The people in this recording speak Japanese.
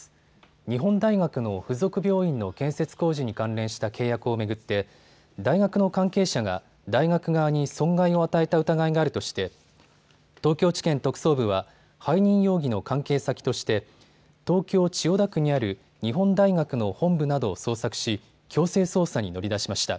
日本大学の付属病院の建設工事に関連した契約を巡って大学の関係者が大学側に損害を与えた疑いがあるとして東京地検特捜部は背任容疑の関係先として東京千代田区にある日本大学の本部などを捜索し強制捜査に乗り出しました。